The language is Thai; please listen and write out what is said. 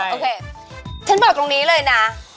โอเคฉันบอกตรงนี้เลยนะ